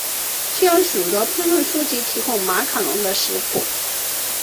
现在有许多烹饪书籍提供马卡龙的食谱。